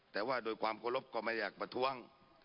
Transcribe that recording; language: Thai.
แต่ว่าก็ไม่อยากประท้วง